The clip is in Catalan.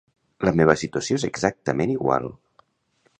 La meva situació és exactament igual.